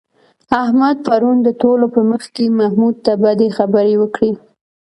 احمد پرون د ټولو په مخ کې محمود ته بدې خبرې وکړې.